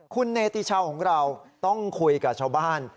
คุณเนติชาวของเราต้องคุยกับชาวบ้าน